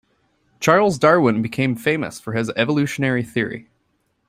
Charles Darwin became famous for his evolutionary theory.